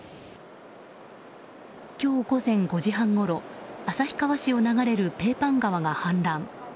今日午前５時半ごろ旭川市を流れるペーパン川が氾濫。